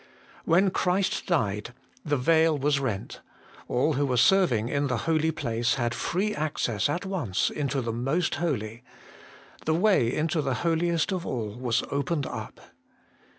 When Christ died, the veil was rent ; all who were serving in the holy place had free access at once into the Most Holy ; the way into the Holiest of all was opened up.